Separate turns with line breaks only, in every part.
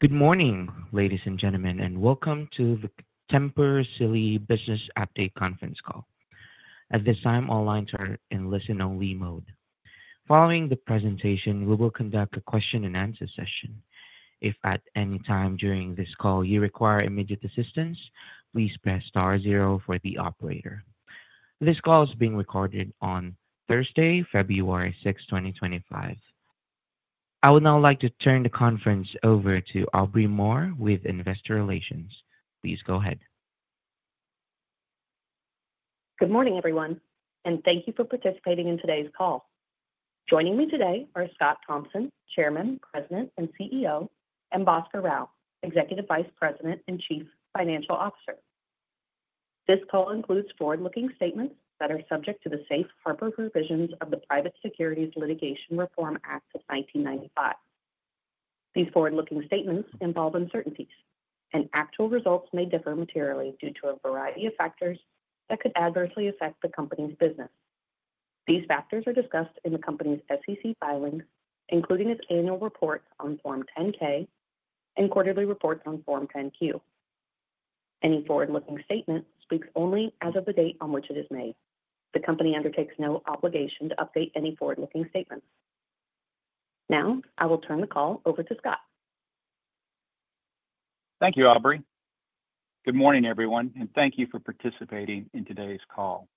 Good morning, ladies and gentlemen, and welcome to the Tempur Sealy Business Update Conference Call. At this time, all lines are in listen-only mode. Following the presentation, we will conduct a question-and-answer session. If at any time during this call you require immediate assistance, please press star zero for the operator. This call is being recorded on Thursday, February 6, 2025. I would now like to turn the conference over to Aubrey Moore with Investor Relations. Please go ahead.
Good morning, everyone, and thank you for participating in today's call. Joining me today are Scott Thompson, Chairman, President, and CEO, and Bhaskar Rao, Executive Vice President and Chief Financial Officer. This call includes forward-looking statements that are subject to the safe harbor provisions of the Private Securities Litigation Reform Act of 1995. These forward-looking statements involve uncertainties, and actual results may differ materially due to a variety of factors that could adversely affect the company's business. These factors are discussed in the company's SEC filings, including its annual reports on Form 10-K and quarterly reports on Form 10-Q. Any forward-looking statement speaks only as of the date on which it is made. The company undertakes no obligation to update any forward-looking statements. Now, I will turn the call over to Scott.
Thank you, Aubrey. Good morning, everyone, and thank you for participating in today's call.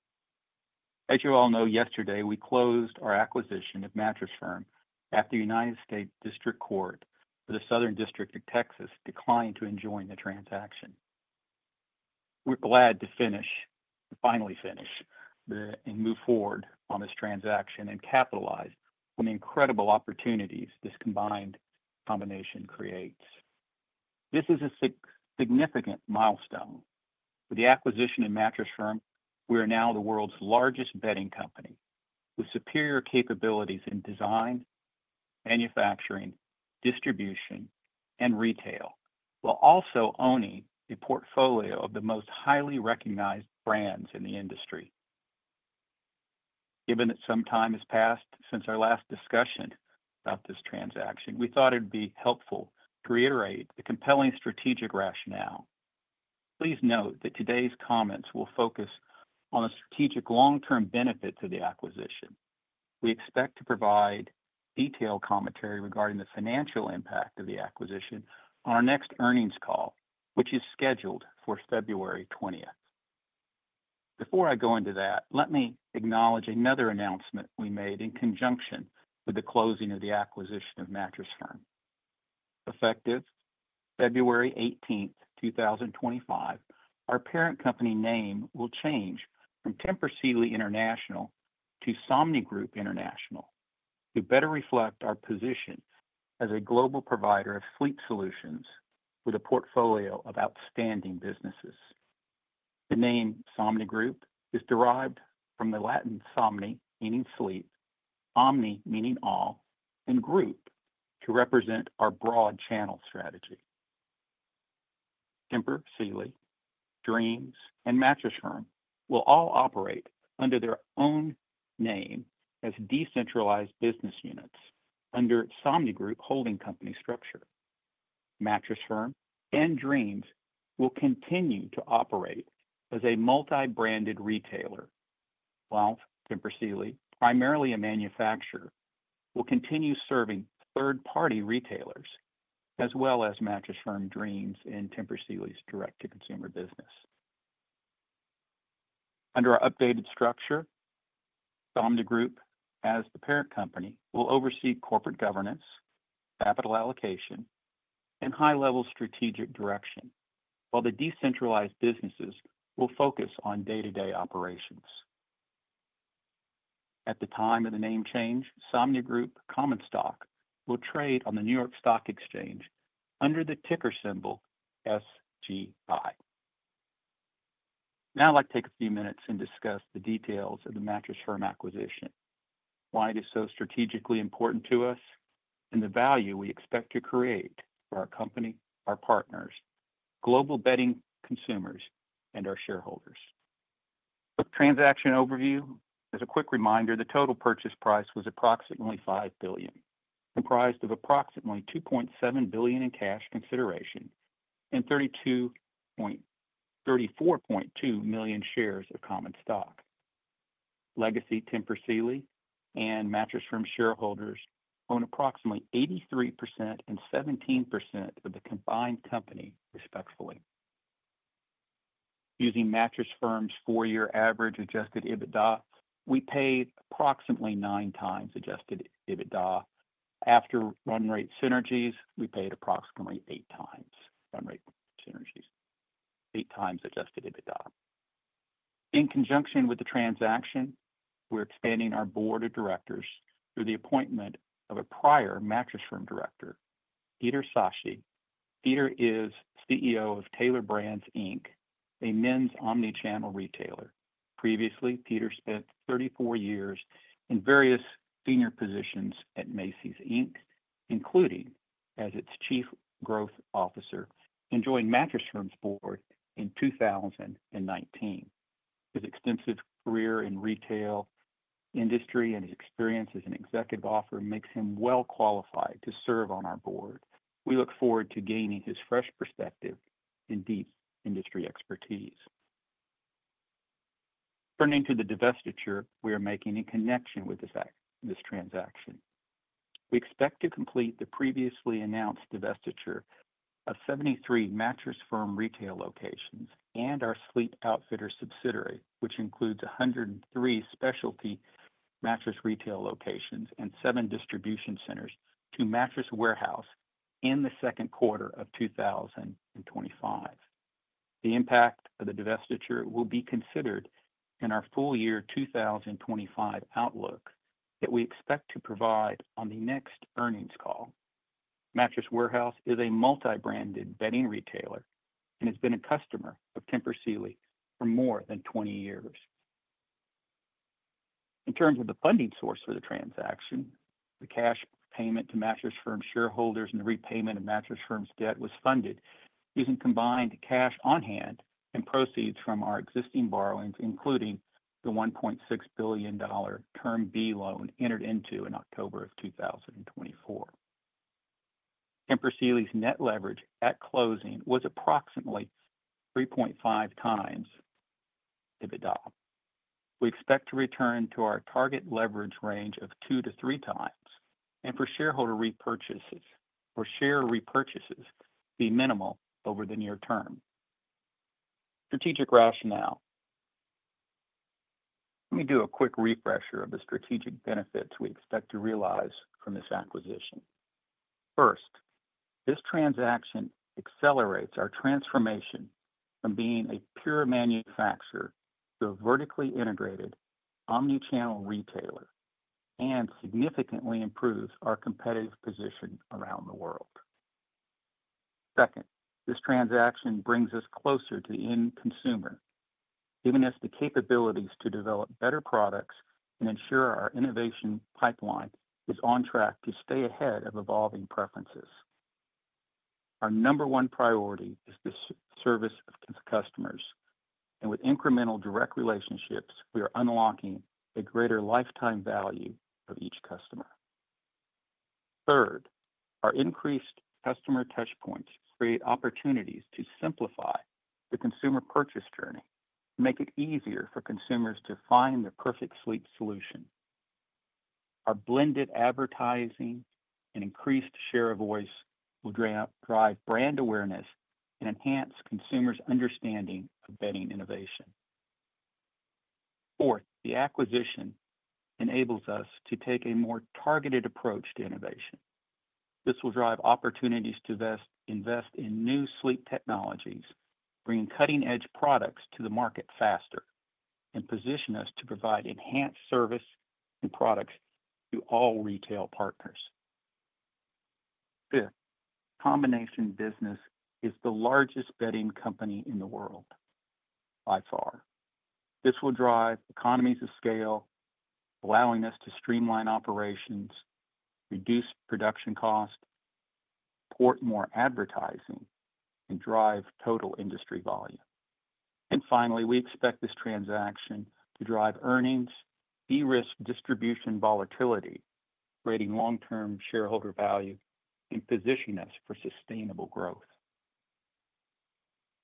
As you all know, yesterday we closed our acquisition of Mattress Firm after the United States District Court for the Southern District of Texas declined to enjoin the transaction. We're glad to finish, finally finish, and move forward on this transaction and capitalize on the incredible opportunities this combined combination creates. This is a significant milestone. With the acquisition of Mattress Firm, we are now the world's largest bedding company with superior capabilities in design, manufacturing, distribution, and retail, while also owning a portfolio of the most highly recognized brands in the industry. Given that some time has passed since our last discussion about this transaction, we thought it would be helpful to reiterate the compelling strategic rationale. Please note that today's comments will focus on the strategic long-term benefits of the acquisition. We expect to provide detailed commentary regarding the financial impact of the acquisition on our next earnings call, which is scheduled for February 20th. Before I go into that, let me acknowledge another announcement we made in conjunction with the closing of the acquisition of Mattress Firm. Effective February 18, 2025, our parent company name will change from Tempur Sealy International to Somnigroup International, to better reflect our position as a global provider of sleep solutions with a portfolio of outstanding businesses. The name Somnigroup is derived from the Latin somni, meaning sleep, omni, meaning all, and group, to represent our broad channel strategy. Tempur Sealy, Dreams, and Mattress Firm will all operate under their own name as decentralized business units under Somnigroup holding company structure. Mattress Firm and Dreams will continue to operate as a multi-branded retailer, while Tempur Sealy, primarily a manufacturer, will continue serving third-party retailers, as well as Mattress Firm, Dreams, and Tempur Sealy's direct-to-consumer business. Under our updated structure, Somnigroup, as the parent company, will oversee corporate governance, capital allocation, and high-level strategic direction, while the decentralized businesses will focus on day-to-day operations. At the time of the name change, Somnigroup common stock will trade on the New York Stock Exchange under the ticker symbol SGI. Now, I'd like to take a few minutes and discuss the details of the Mattress Firm acquisition, why it is so strategically important to us, and the value we expect to create for our company, our partners, global bedding consumers, and our shareholders. For transaction overview, as a quick reminder, the total purchase price was approximately $5 billion, comprised of approximately $2.7 billion in cash consideration and 34.2 million shares of common stock. Legacy Tempur Sealy and Mattress Firm shareholders own approximately 83% and 17% of the combined company, respectively. Using Mattress Firm's four-year average adjusted EBITDA, we paid approximately nine times adjusted EBITDA. After run-rate synergies, we paid approximately eight times run-rate synergies. Eight times adjusted EBITDA. In conjunction with the transaction, we're expanding our board of directors through the appointment of a prior Mattress Firm director, Peter Sachse. Peter is CEO of Tailored Brands Inc, a men's omnichannel retailer. Previously, Peter spent 34 years in various senior positions at Macy's Inc, including as its Chief Growth Officer, and joined Mattress Firm's board in 2019. His extensive career in the retail industry and his experience as an executive offer makes him well qualified to serve on our board. We look forward to gaining his fresh perspective and deep industry expertise. Turning to the divestiture we are making in connection with this transaction, we expect to complete the previously announced divestiture of 73 Mattress Firm retail locations and our Sleep Outfitters subsidiary, which includes 103 specialty mattress retail locations and seven distribution centers, to Mattress Warehouse in the second quarter of 2025. The impact of the divestiture will be considered in our full year 2025 outlook that we expect to provide on the next earnings call. Mattress Warehouse is a multi-branded bedding retailer and has been a customer of Tempur Sealy for more than 20 years. In terms of the funding source for the transaction, the cash payment to Mattress Firm shareholders and the repayment of Mattress Firm's debt was funded using combined cash on hand and proceeds from our existing borrowings, including the $1.6 billion Term B loan entered into in October of 2024. Tempur Sealy's net leverage at closing was approximately 3.5 times EBITDA. We expect to return to our target leverage range of two to three times, and for shareholder repurchases, or share repurchases, be minimal over the near term. Strategic rationale. Let me do a quick refresher of the strategic benefits we expect to realize from this acquisition. First, this transaction accelerates our transformation from being a pure manufacturer to a vertically integrated omnichannel retailer and significantly improves our competitive position around the world. Second, this transaction brings us closer to the end consumer, giving us the capabilities to develop better products and ensure our innovation pipeline is on track to stay ahead of evolving preferences. Our number one priority is the service of customers, and with incremental direct relationships, we are unlocking a greater lifetime value for each customer. Third, our increased customer touchpoints create opportunities to simplify the consumer purchase journey and make it easier for consumers to find the perfect sleep solution. Our blended advertising and increased share of voice will drive brand awareness and enhance consumers' understanding of bedding innovation. Fourth, the acquisition enables us to take a more targeted approach to innovation. This will drive opportunities to invest in new sleep technologies, bringing cutting-edge products to the market faster, and position us to provide enhanced service and products to all retail partners. Fifth, the combination business is the largest bedding company in the world by far. This will drive economies of scale, allowing us to streamline operations, reduce production costs, pour more advertising, and drive total industry volume. And finally, we expect this transaction to drive earnings, de-risk distribution volatility, creating long-term shareholder value, and position us for sustainable growth.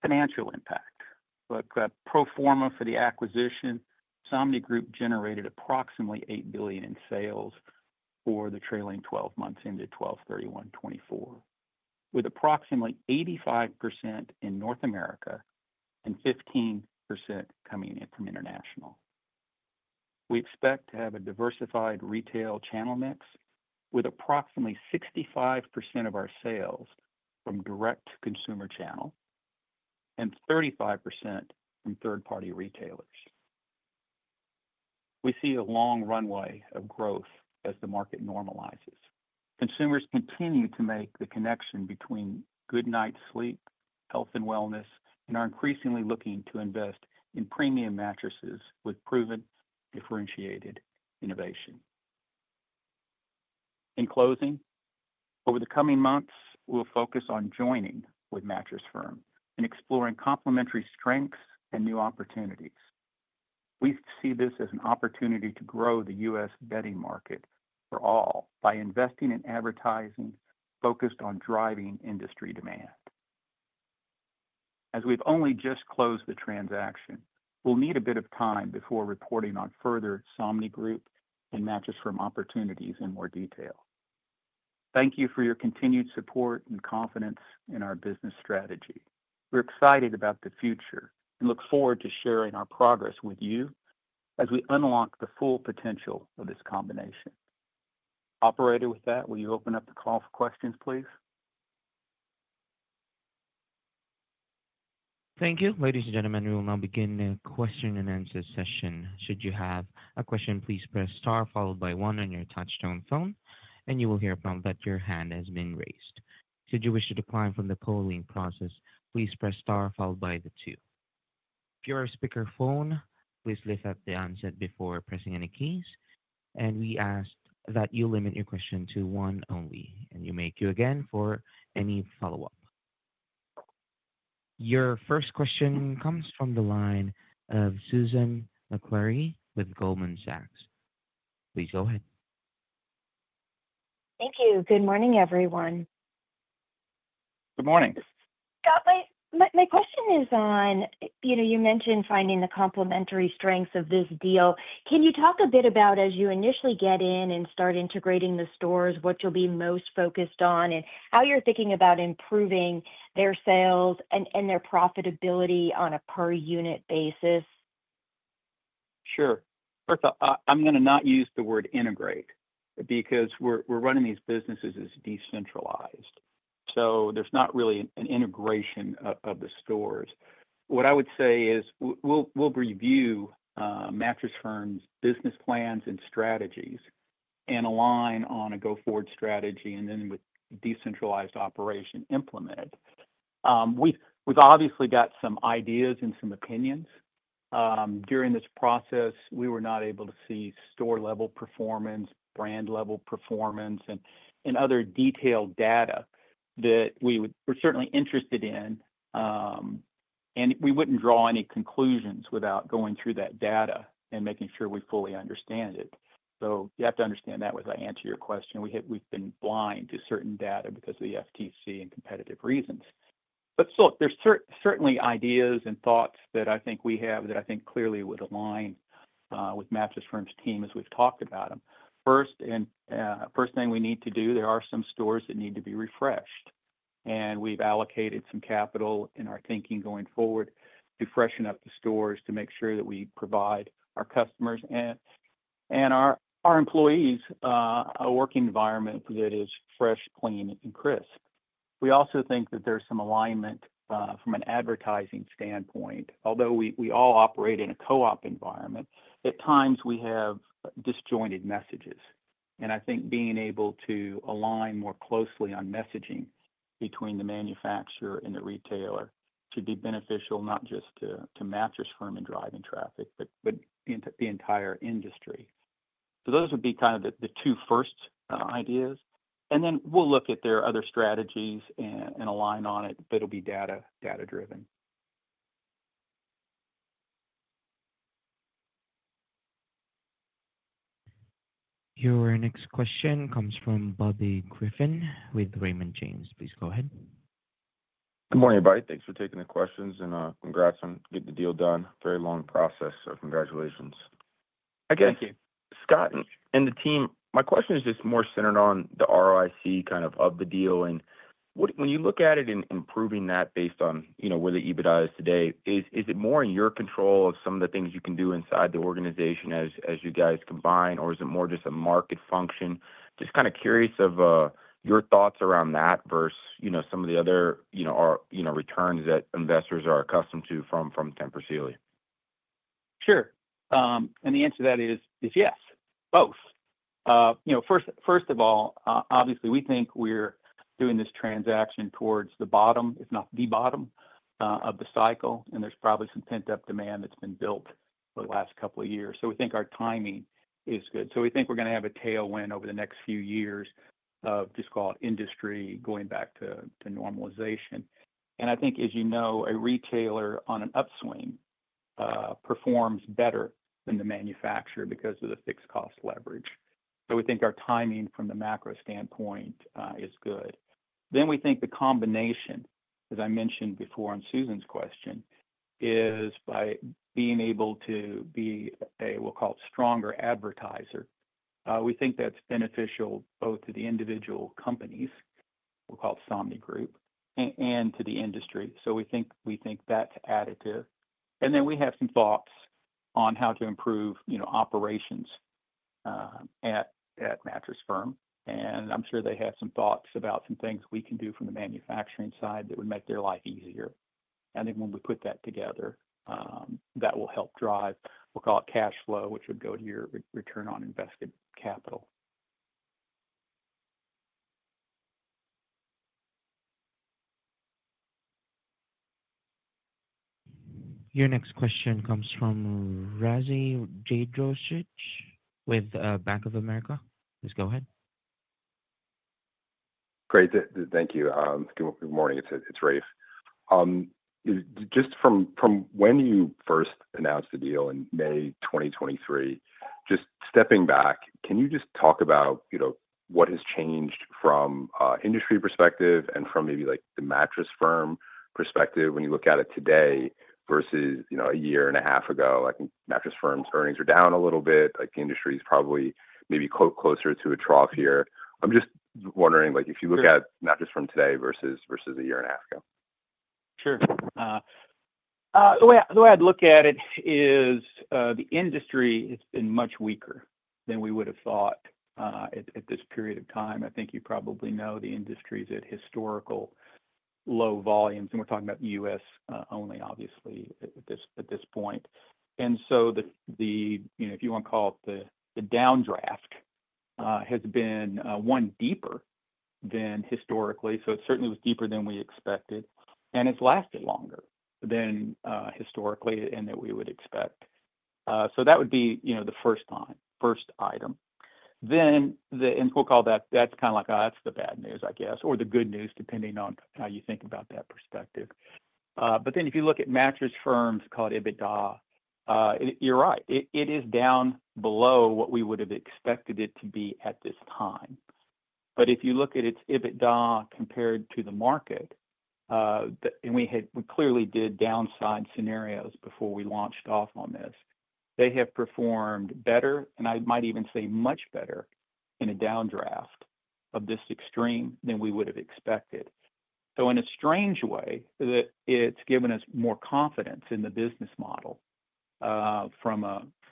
Financial impact. Pro forma for the acquisition, Somnigroup generated approximately $8 billion in sales for the trailing 12 months ended 12/31/2024, with approximately 85% in North America and 15% coming in from international. We expect to have a diversified retail channel mix, with approximately 65% of our sales from direct-to-consumer channel and 35% from third-party retailers. We see a long runway of growth as the market normalizes. Consumers continue to make the connection between good night's sleep, health, and wellness, and are increasingly looking to invest in premium mattresses with proven differentiated innovation. In closing, over the coming months, we'll focus on joining with Mattress Firm and exploring complementary strengths and new opportunities. We see this as an opportunity to grow the U.S. bedding market for all by investing in advertising focused on driving industry demand. As we've only just closed the transaction, we'll need a bit of time before reporting on further Somnigroup and Mattress Firm opportunities in more detail. Thank you for your continued support and confidence in our business strategy. We're excited about the future and look forward to sharing our progress with you as we unlock the full potential of this combination. Operator, with that, will you open up the call for questions, please?
Thank you. Ladies and gentlemen, we will now begin the question and answer session. Should you have a question, please press star followed by one on your touch-tone phone, and you will hear a prompt that your hand has been raised. Should you wish to decline from the polling process, please press star followed by the two. If you are a speakerphone, please lift up the handset before pressing any keys, and we ask that you limit your question to one only, and you may queue again for any follow-up. Your first question comes from the line of Susan Maklari with Goldman Sachs. Please go ahead.
Thank you. Good morning, everyone.
Good morning.
Scott, my question is on, you mentioned finding the complementary strengths of this deal. Can you talk a bit about, as you initially get in and start integrating the stores, what you'll be most focused on and how you're thinking about improving their sales and their profitability on a per-unit basis?
Sure. First off, I'm going to not use the word integrate because we're running these businesses as decentralized, so there's not really an integration of the stores. What I would say is we'll review Mattress Firm's business plans and strategies and align on a go-forward strategy and then with decentralized operation implemented. We've obviously got some ideas and some opinions. During this process, we were not able to see store-level performance, brand-level performance, and other detailed data that we were certainly interested in, and we wouldn't draw any conclusions without going through that data and making sure we fully understand it. So you have to understand that as I answer your question. We've been blind to certain data because of the FTC and competitive reasons. But still, there's certainly ideas and thoughts that I think we have that I think clearly would align with Mattress Firm's team as we've talked about them. First thing we need to do, there are some stores that need to be refreshed, and we've allocated some capital in our thinking going forward to freshen up the stores to make sure that we provide our customers and our employees a working environment that is fresh, clean, and crisp. We also think that there's some alignment from an advertising standpoint. Although we all operate in a co-op environment, at times we have disjointed messages, and I think being able to align more closely on messaging between the manufacturer and the retailer should be beneficial not just to Mattress Firm in driving traffic, but the entire industry. So those would be kind of the two first ideas, and then we'll look at their other strategies and align on it, but it'll be data-driven.
Your next question comes from Bobby Griffin with Raymond James. Please go ahead.
Good morning, everybody. Thanks for taking the questions, and congrats on getting the deal done. Very long process, so congratulations.
Thank you.
Scott and the team, my question is just more centered on the ROIC kind of the deal, and when you look at it and improving that based on where the EBITDA is today, is it more in your control of some of the things you can do inside the organization as you guys combine, or is it more just a market function? Just kind of curious of your thoughts around that versus some of the other returns that investors are accustomed to from Tempur Sealy.
Sure. And the answer to that is yes, both. First of all, obviously, we think we're doing this transaction towards the bottom, if not the bottom, of the cycle, and there's probably some pent-up demand that's been built over the last couple of years. So we think our timing is good. So we think we're going to have a tailwind over the next few years of just call it industry going back to normalization. And I think, as you know, a retailer on an upswing performs better than the manufacturer because of the fixed cost leverage. So we think our timing from the macro standpoint is good. Then we think the combination, as I mentioned before on Susan's question, is by being able to be a, we'll call it, stronger advertiser. We think that's beneficial both to the individual companies, we'll call it Somnigroup, and to the industry. We think that's additive. And then we have some thoughts on how to improve operations at Mattress Firm, and I'm sure they have some thoughts about some things we can do from the manufacturing side that would make their life easier. I think when we put that together, that will help drive, we'll call it, cash flow, which would go to your return on invested capital.
Your next question comes from Rafe Jadrosich with Bank of America. Please go ahead.
Great. Thank you. Good morning. It's Rafe. Just from when you first announced the deal in May 2023, just stepping back, can you just talk about what has changed from an industry perspective and from maybe the Mattress Firm perspective when you look at it today versus a year and a half ago? Mattress Firm's earnings are down a little bit. The industry is probably maybe closer to a trough here. I'm just wondering, if you look at Mattress Firm today versus a year and a half ago.
Sure. The way I'd look at it is the industry has been much weaker than we would have thought at this period of time. I think you probably know the industry is at historical low volumes, and we're talking about the U.S. only, obviously, at this point, and so the, if you want to call it the downdraft, has been one deeper than historically, so it certainly was deeper than we expected, and it's lasted longer than historically and that we would expect, so that would be the first time, first item, then, and we'll call that, that's kind of like, oh, that's the bad news, I guess, or the good news, depending on how you think about that perspective, but then if you look at Mattress Firm's, call it EBITDA, you're right. It is down below what we would have expected it to be at this time. But if you look at its EBITDA compared to the market, and we clearly did downside scenarios before we launched off on this, they have performed better, and I might even say much better in a downdraft of this extreme than we would have expected. So in a strange way, it's given us more confidence in the business model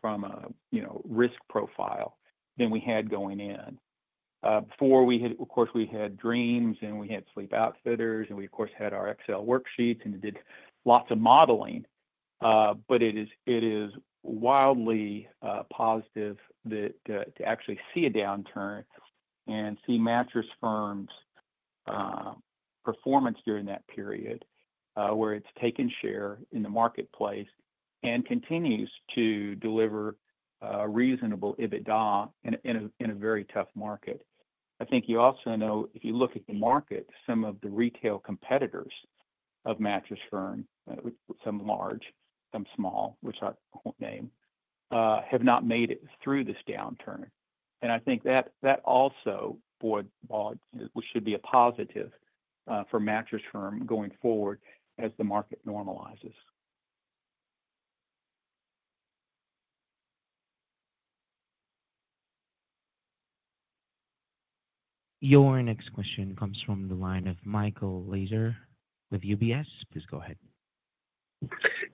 from a risk profile than we had going in. Before, of course, we had Dreams and we had Sleep Outfitters, and we, of course, had our Excel worksheets and did lots of modeling, but it is wildly positive to actually see a downturn and see Mattress Firm's performance during that period where it's taken share in the marketplace and continues to deliver reasonable EBITDA in a very tough market. I think you also know, if you look at the market, some of the retail competitors of Mattress Firm, some large, some small, which I won't name, have not made it through this downturn, and I think that also should be a positive for Mattress Firm going forward as the market normalizes.
Your next question comes from the line of Michael Lasser with UBS. Please go ahead.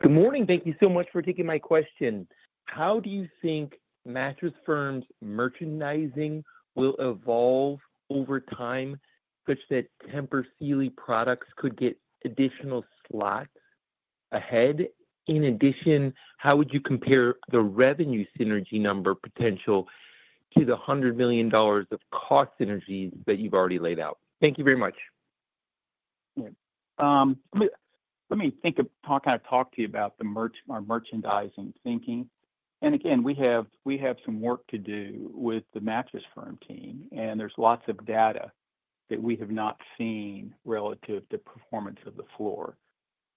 Good morning. Thank you so much for taking my question. How do you think Mattress Firm's merchandising will evolve over time such that Tempur Sealy products could get additional slots ahead? In addition, how would you compare the revenue synergy number potential to the $100 million of cost synergies that you've already laid out? Thank you very much.
Yeah. Let me kind of talk to you about our merchandising thinking. And again, we have some work to do with the Mattress Firm team, and there's lots of data that we have not seen relative to performance of the floor.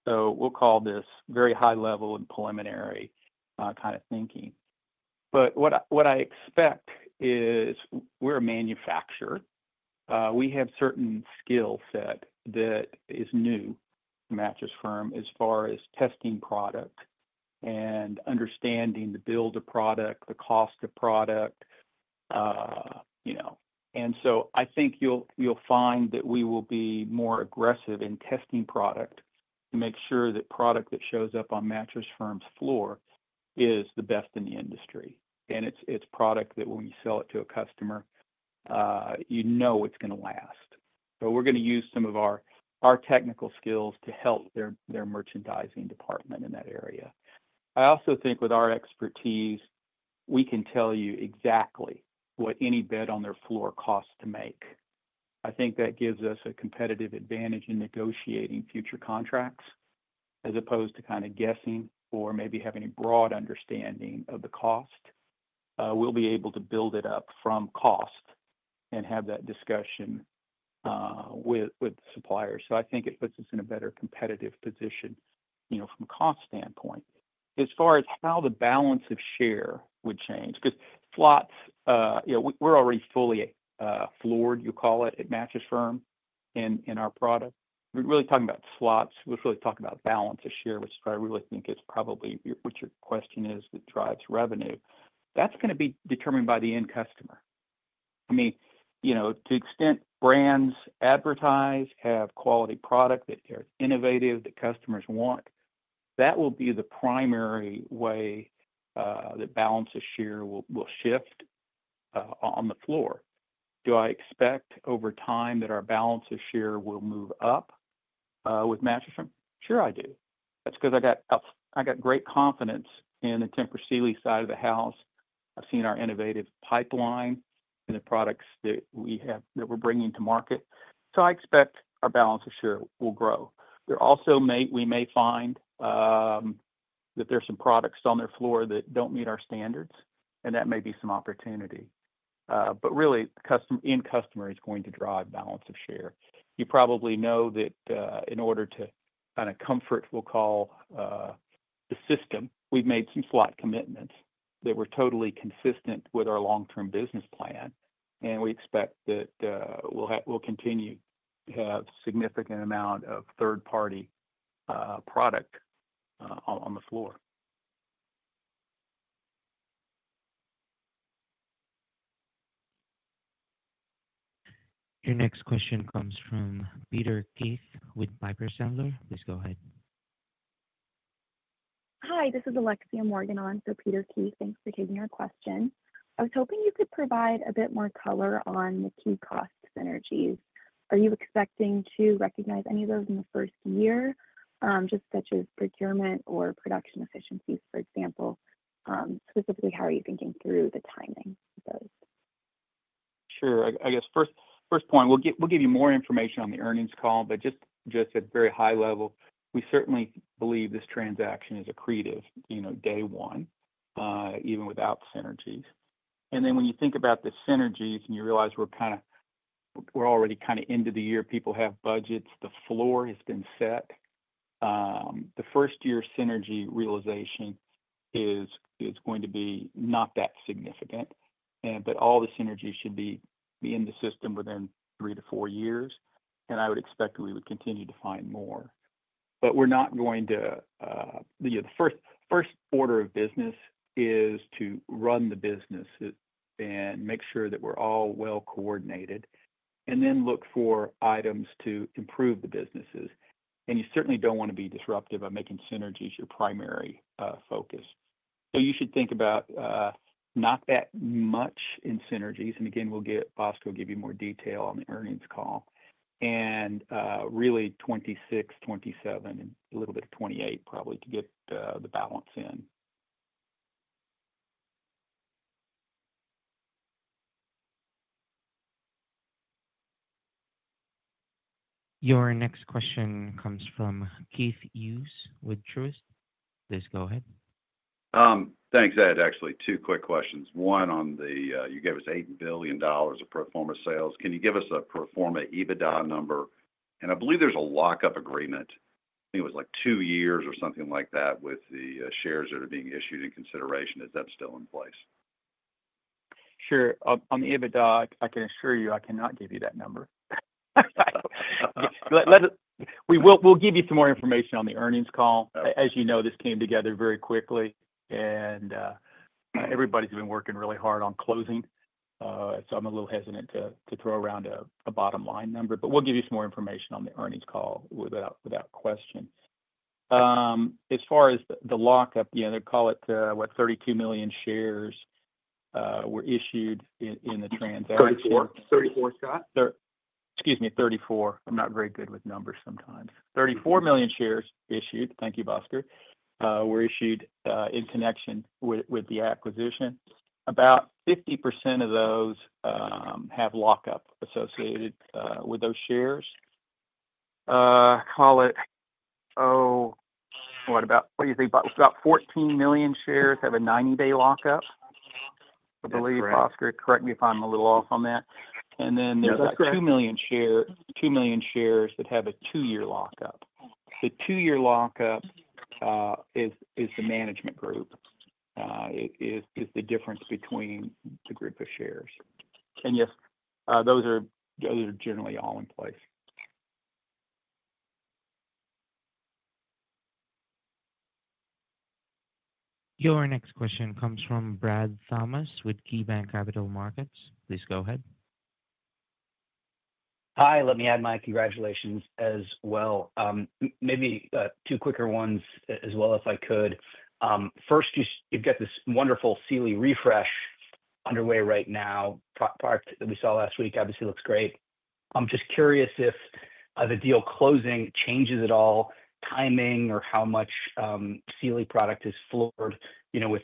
So we'll call this very high-level and preliminary kind of thinking. But what I expect is we're a manufacturer. We have certain skill set that is new to Mattress Firm as far as testing product and understanding the build of product, the cost of product. And so I think you'll find that we will be more aggressive in testing product to make sure that product that shows up on Mattress Firm's floor is the best in the industry. And it's product that when you sell it to a customer, you know it's going to last. So we're going to use some of our technical skills to help their merchandising department in that area. I also think with our expertise, we can tell you exactly what any bed on their floor costs to make. I think that gives us a competitive advantage in negotiating future contracts as opposed to kind of guessing or maybe having a broad understanding of the cost. We'll be able to build it up from cost and have that discussion with suppliers. So I think it puts us in a better competitive position from a cost standpoint. As far as how the share of shelf would change, because slots, we're already fully floored, you call it, at Mattress Firm in our product. We're really talking about slots. We're really talking about share of shelf, which is why I really think it's probably what your question is that drives revenue. That's going to be determined by the end customer. I mean, to the extent brands advertise, have quality product that is innovative, that customers want, that will be the primary way that share of shelf will shift on the floor. Do I expect over time that our share of shelf will move up with Mattress Firm? Sure, I do. That's because I got great confidence in the Tempur Sealy side of the house. I've seen our innovative pipeline and the products that we have that we're bringing to market, so I expect our share of shelf will grow. We may find that there's some products on their floor that don't meet our standards, and that may be some opportunity. But really, end customer is going to drive balance of share. You probably know that in order to kind of comfort, we'll call the system, we've made some slot commitments that were totally consistent with our long-term business plan, and we expect that we'll continue to have a significant amount of third-party product on the floor.
Your next question comes from Peter Keith with Piper Sandler. Please go ahead.
Hi, this is Alexia Morgan on for Peter Keith. Thanks for taking our question. I was hoping you could provide a bit more color on the key cost synergies. Are you expecting to recognize any of those in the first year, just such as procurement or production efficiencies, for example? Specifically, how are you thinking through the timing of those?
Sure. I guess first point, we'll give you more information on the earnings call, but just at a very high level, we certainly believe this transaction is accretive day one, even without synergies. And then when you think about the synergies and you realize we're kind of already kind of into the year, people have budgets, the floor has been set, the first-year synergy realization is going to be not that significant, but all the synergies should be in the system within three to four years, and I would expect we would continue to find more. But we're not going to the first order of business is to run the business and make sure that we're all well-coordinated, and then look for items to improve the businesses. And you certainly don't want to be disruptive by making synergies your primary focus. So you should think about not that much in synergies. And again, we'll get Bhaskar to give you more detail on the earnings call, and really 2026, 2027, and a little bit of 2028 probably to get the balance in.
Your next question comes from Keith Hughes with Truist. Please go ahead.
Thanks, Ed. Actually, two quick questions. One on the number you gave us $8 billion of pro forma sales. Can you give us a pro forma EBITDA number? And I believe there's a lock-up agreement. I think it was like two years or something like that with the shares that are being issued in consideration. Is that still in place?
Sure. On the EBITDA, I can assure you I cannot give you that number. We'll give you some more information on the earnings call. As you know, this came together very quickly, and everybody's been working really hard on closing. So I'm a little hesitant to throw around a bottom-line number, but we'll give you some more information on the earnings call without question. As far as the lock-up, they call it, what, 32 million shares were issued in the transaction.
34, Scott?
Excuse me, 34. I'm not very good with numbers sometimes. 34 million shares issued. Thank you, Bhaskar. Were issued in connection with the acquisition. About 50% of those have lockup associated with those shares. I call it, oh, what do you think about 14 million shares have a 90-day lockup? I believe, Bhaskar, correct me if I'm a little off on that. And then there's about 2 million shares that have a two-year lockup. The two-year lockup is the management group, is the difference between the group of shares. And yes, those are generally all in place.
Your next question comes from Brad Thomas with KeyBanc Capital Markets. Please go ahead.
Hi. Let me add my congratulations as well. Maybe two quicker ones as well, if I could. First, you've got this wonderful Sealy refresh underway right now. Product that we saw last week obviously looks great. I'm just curious if the deal closing changes at all, timing or how much Sealy product is floored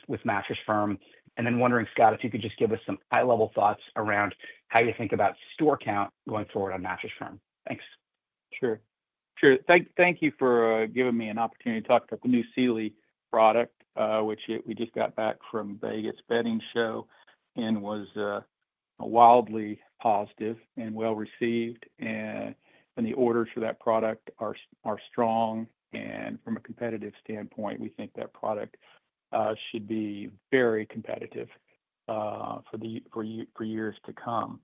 with Mattress Firm, and then wondering, Scott, if you could just give us some high-level thoughts around how you think about store count going forward on Mattress Firm? Thanks.
Sure. Sure. Thank you for giving me an opportunity to talk about the new Sealy product, which we just got back from Las Vegas bedding show and was wildly positive and well-received. And the orders for that product are strong. And from a competitive standpoint, we think that product should be very competitive for years to come.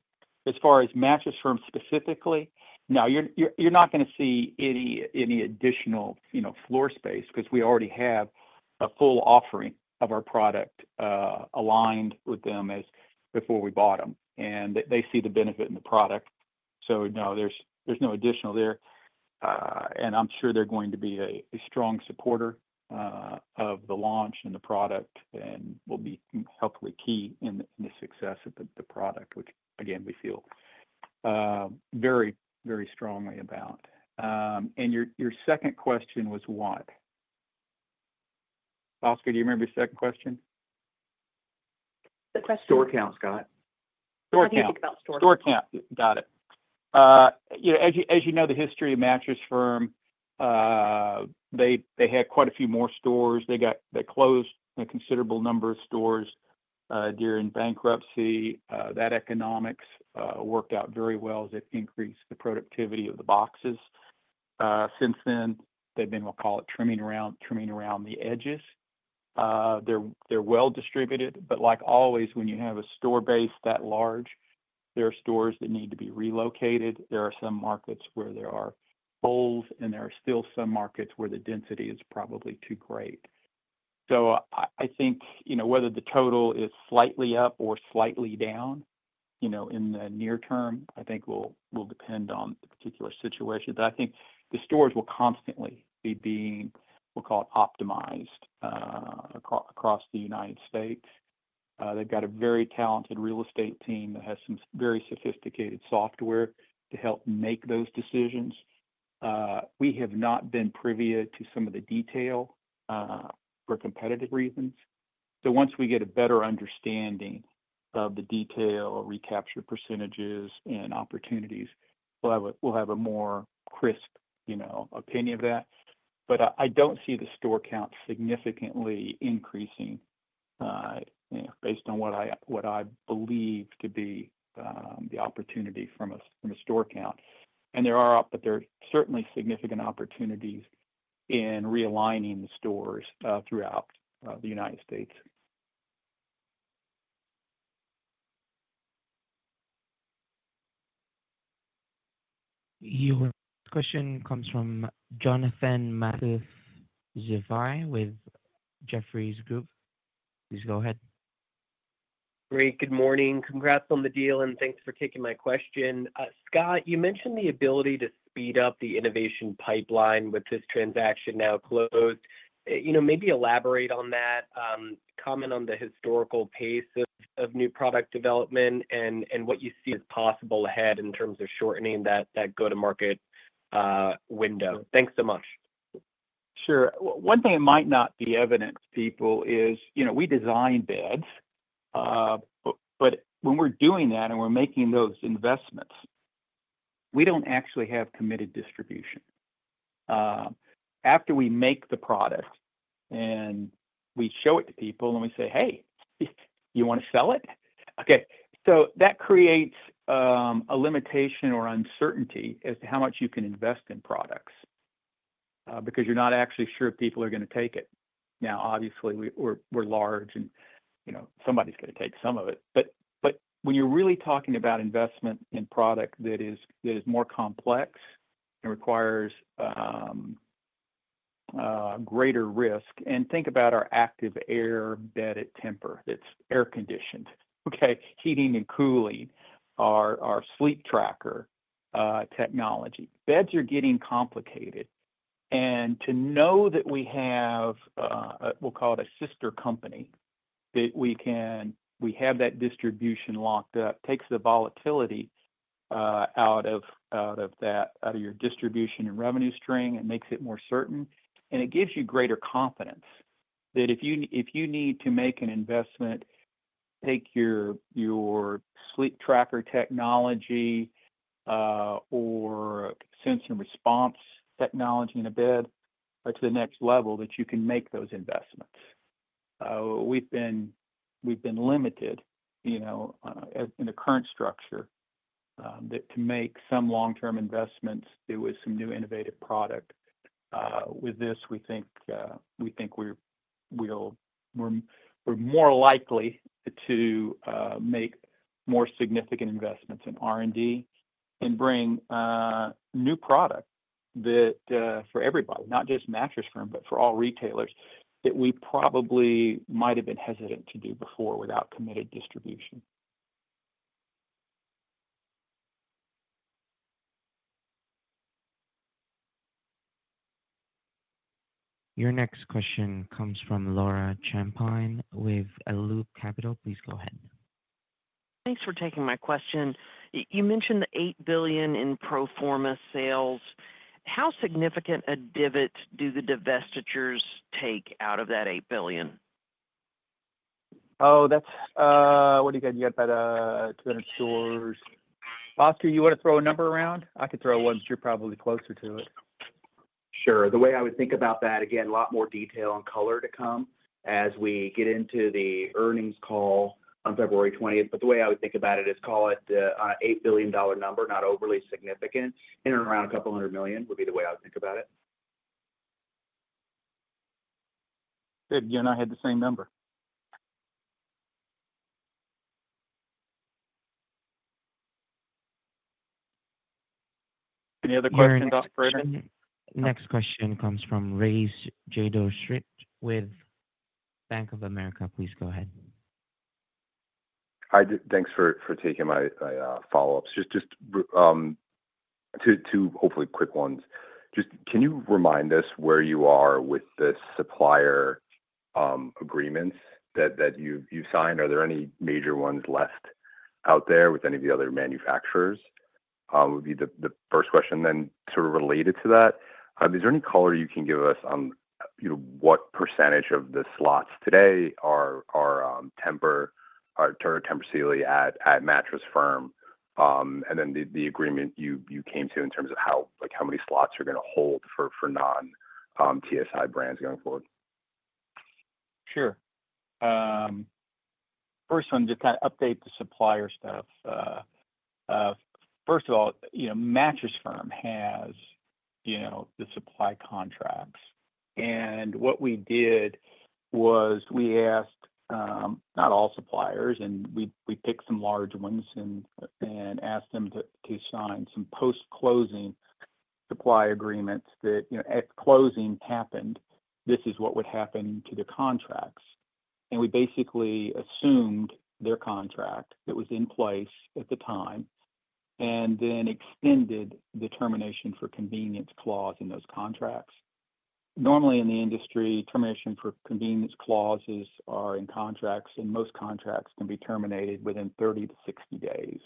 As far as Mattress Firm specifically, no, you're not going to see any additional floor space because we already have a full offering of our product aligned with them as before we bought them. And they see the benefit in the product. So no, there's no additional there. And I'm sure they're going to be a strong supporter of the launch and the product and will be hopefully key in the success of the product, which, again, we feel very, very strongly about. And your second question was what? Bhaskar, do you remember your second question?
The question?
Store count, Scott.
Store count. Store count. Got it. As you know, the history of Mattress Firm, they had quite a few more stores. They closed a considerable number of stores during bankruptcy. That economics worked out very well as it increased the productivity of the boxes. Since then, they've been, we'll call it, trimming around the edges. They're well-distributed. But like always, when you have a store base that large, there are stores that need to be relocated. There are some markets where there are holes, and there are still some markets where the density is probably too great. So I think whether the total is slightly up or slightly down in the near term, I think will depend on the particular situation. But I think the stores will constantly be being, we'll call it, optimized across the United States. They've got a very talented real estate team that has some very sophisticated software to help make those decisions. We have not been privy to some of the detail for competitive reasons. So once we get a better understanding of the detail, recapture percentages, and opportunities, we'll have a more crisp opinion of that. But I don't see the store count significantly increasing based on what I believe to be the opportunity from a store count. And there are certainly significant opportunities in realigning the stores throughout the United States.
Your question comes from Jonathan Matuszewski with Jefferies. Please go ahead.
Great. Good morning. Congrats on the deal, and thanks for taking my question. Scott, you mentioned the ability to speed up the innovation pipeline with this transaction now closed. Maybe elaborate on that, comment on the historical pace of new product development and what you see as possible ahead in terms of shortening that go-to-market window? Thanks so much.
Sure. One thing it might not be evident to people is we design beds, but when we're doing that and we're making those investments, we don't actually have committed distribution. After we make the product and we show it to people and we say, "Hey, you want to sell it?" Okay. So that creates a limitation or uncertainty as to how much you can invest in products because you're not actually sure if people are going to take it. Now, obviously, we're large and somebody's going to take some of it. But when you're really talking about investment in product that is more complex and requires greater risk, and think about our active air bed at Tempur. It's air-conditioned, okay? Heating and cooling are Sleeptracker technology. Beds are getting complicated. To know that we have, we'll call it, a sister company that we have that distribution locked up, takes the volatility out of your distribution and revenue string and makes it more certain, and it gives you greater confidence that if you need to make an investment, take your Sleeptracker technology or sensor response technology in a bed to the next level that you can make those investments. We've been limited in the current structure to make some long-term investments with some new innovative product. With this, we think we're more likely to make more significant investments in R&D and bring new product for everybody, not just Mattress Firm, but for all retailers that we probably might have been hesitant to do before without committed distribution.
Your next question comes from Laura Champine with Loop Capital. Please go ahead.
Thanks for taking my question. You mentioned the eight billion in pro forma sales. How significant a divot do the divestitures take out of that eight billion?
Oh, what do you get? You get about 200 stores. Bhaskar, you want to throw a number around? I could throw one, but you're probably closer to it.
Sure. The way I would think about that, again, a lot more detail and color to come as we get into the earnings call on February 20th. But the way I would think about it is call it an $8 billion number, not overly significant. In and around $200 million would be the way I would think about it.
Good. You and I had the same number. Any other questions, Operator?
Next question comes from Rafe Jadrosich with Bank of America. Please go ahead.
Hi. Thanks for taking my follow-ups. Just two hopefully quick ones. Just can you remind us where you are with the supplier agreements that you've signed? Are there any major ones left out there with any of the other manufacturers? Would be the first question. And then sort of related to that, is there any color you can give us on what percentage of the slots today are Tempur, or Tempur Sealy at Mattress Firm? And then the agreement you came to in terms of how many slots are going to hold for non-TSI brands going forward?
Sure. First one, just kind of update the supplier stuff. First of all, Mattress Firm has the supply contracts, and what we did was we asked not all suppliers, and we picked some large ones and asked them to sign some post-closing supply agreements that if closing happened, this is what would happen to the contracts, and we basically assumed their contract that was in place at the time and then extended the termination for convenience clause in those contracts. Normally, in the industry, termination for convenience clauses are in contracts, and most contracts can be terminated within 30-60 days.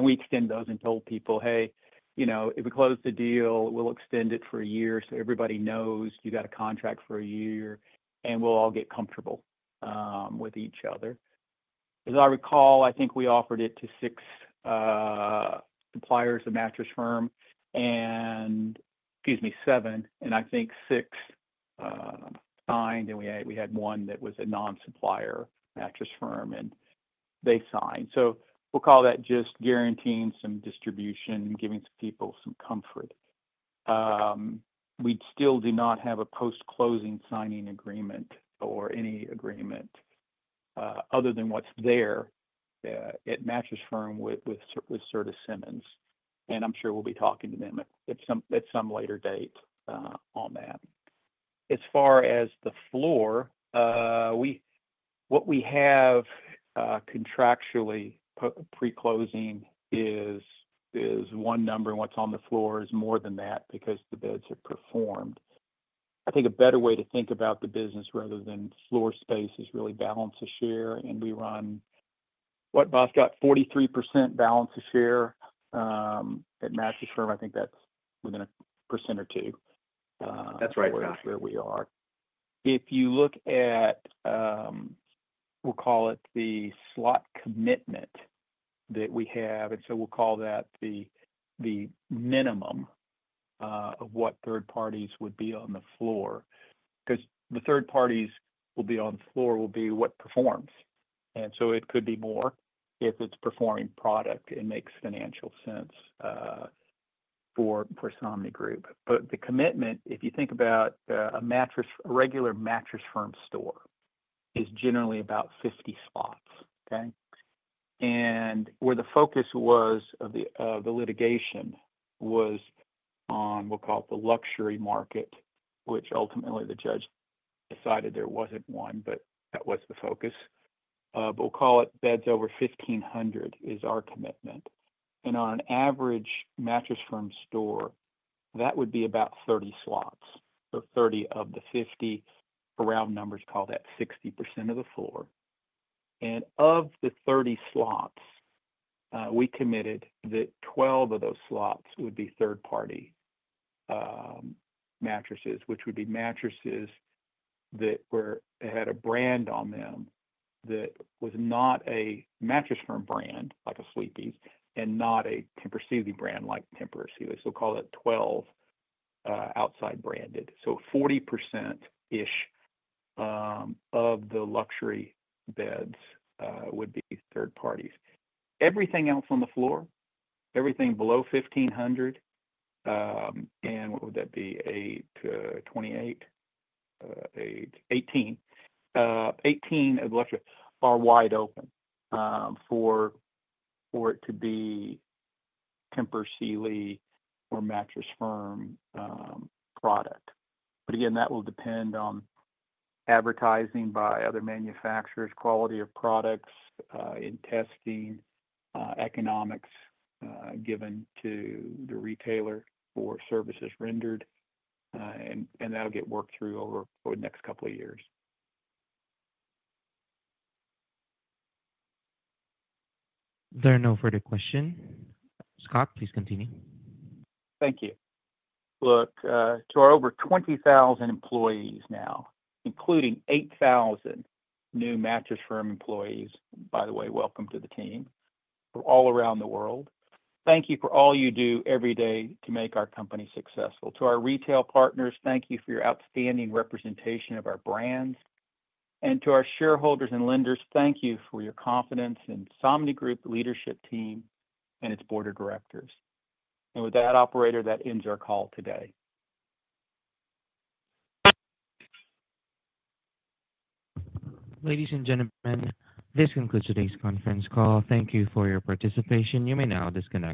We extend those and told people, "Hey, if we close the deal, we'll extend it for a year so everybody knows you got a contract for a year, and we'll all get comfortable with each other." As I recall, I think we offered it to six suppliers of Mattress Firm, and excuse me, seven, and I think six signed. And we had one that was a non-supplier Mattress Firm, and they signed. So we'll call that just guaranteeing some distribution and giving some people some comfort. We still do not have a post-closing signing agreement or any agreement other than what's there at Mattress Firm with Serta Simmons. And I'm sure we'll be talking to them at some later date on that. As far as the floor, what we have contractually pre-closing is one number, and what's on the floor is more than that because the beds are performed. I think a better way to think about the business rather than floor space is really shelf share. We run, what, Bhaskar, 43% shelf share at Mattress Firm? I think that's within 1% or 2%.
That's right, Josh.
Where we are. If you look at, we'll call it the slot commitment that we have, and so we'll call that the minimum of what third parties would be on the floor. Because the third parties will be on the floor will be what performs. And so it could be more if it's performing product and makes financial sense for Somnigroup. But the commitment, if you think about a regular Mattress Firm store, is generally about 50 slots, okay? And where the focus was of the litigation was on, we'll call it, the luxury market, which ultimately the judge decided there wasn't one, but that was the focus. But we'll call it beds over $1,500 is our commitment. And on an average Mattress Firm store, that would be about 30 slots. So 30 of the 50, around numbers, call that 60% of the floor. Of the 30 slots, we committed that 12 of those slots would be third-party mattresses, which would be mattresses that had a brand on them that was not a Mattress Firm brand like a Sleepy's and not a Tempur Sealy brand like Tempur Sealy. So we'll call it 12 outside branded. So 40%-ish of the luxury beds would be third parties. Everything else on the floor, everything below $1,500, and what would that be? Eight to 28, 18. 18 of the luxury are wide open for it to be Tempur Sealy or Mattress Firm product. But again, that will depend on advertising by other manufacturers, quality of products in testing, economics given to the retailer for services rendered. And that'll get worked through over the next couple of years.
There are no further questions. Scott, please continue.
Thank you. Look, to our over 20,000 employees now, including 8,000 new Mattress Firm employees, by the way, welcome to the team, from all around the world, thank you for all you do every day to make our company successful. To our retail partners, thank you for your outstanding representation of our brands. And to our shareholders and lenders, thank you for your confidence in Somnigroup leadership team and its board of directors. And with that, operator, that ends our call today.
Ladies and gentlemen, this concludes today's conference call. Thank you for your participation. You may now disconnect.